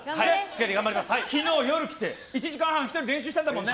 昨日、夜に来て１時間半も１人で練習したもんね。